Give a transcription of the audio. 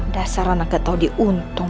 dasar anaknya tau diuntung